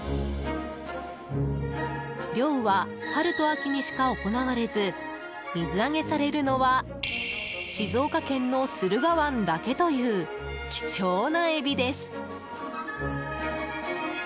漁は春と秋にしか行われず水揚げされるのは静岡県の駿河湾だけという貴重なエビです。